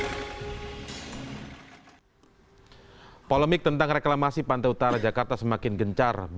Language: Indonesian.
di mana polemik reklamasi ini berakhir